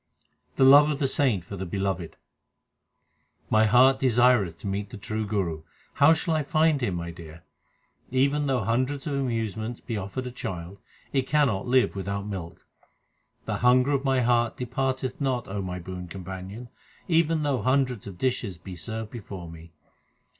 The love of the saint for the Beloved : My heart desireth to meet the True Guru ; how shall I find Him, my dear ? Even though hundreds of amusements be afforded a child, it cannot live without milk. The hunger of my heart departeth not, O my boon com panion, even though hundreds of dishes be served before me.